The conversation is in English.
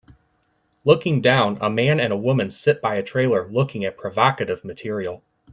Looking down, a man and woman sit by a trailer looking at provocative material.